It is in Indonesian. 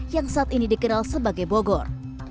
yang saat ini dikenal sebagai bogor